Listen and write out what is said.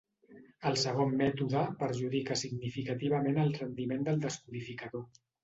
El segon mètode perjudica significativament el rendiment del descodificador.